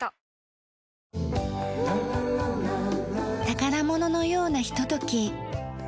宝物のようなひととき。